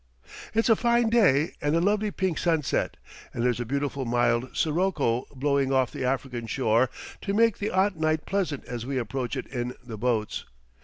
"It's a fine day and a lovely pink sunset, and there's a beautiful mild sirocco blowing off the African shore to make the 'ot night pleasant as we approach it in the boats.